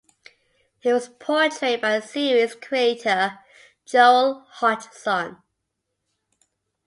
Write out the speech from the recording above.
He was portrayed by series creator Joel Hodgson.